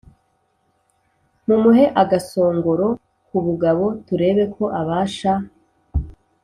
Mumuhe agasongoro k’ubugabo turebe ko abasha